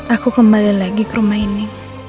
aku kembali lagi ke rumah ini